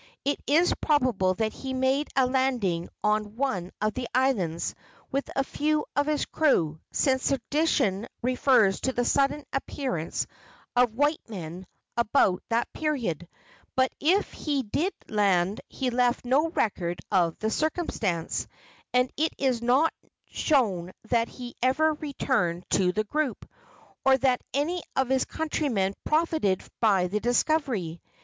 It is probable that he made a landing on one of the islands with a few of his crew, since tradition refers to the sudden appearance of white men at about that period; but if he did land he left no record of the circumstance, and it is not shown that he ever returned to the group, or that any of his countrymen profited by the discovery.